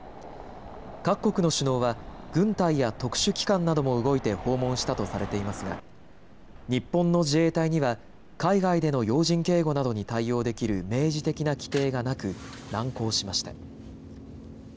各国の首脳は軍隊や特殊機関なども動いて訪問したとされていますが日本の自衛隊には海外での要人警護などに対応できる明示的な規定がなく難航しました。